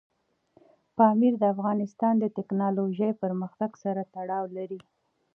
پامیر د افغانستان د تکنالوژۍ پرمختګ سره تړاو لري.